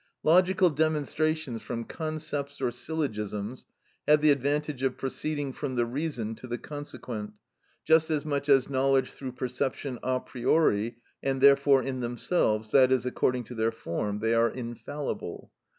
Logical demonstrations from concepts or syllogisms have the advantage of proceeding from the reason to the consequent, just as much as knowledge through perception a priori, and therefore in themselves, i.e., according to their form, they are infallible.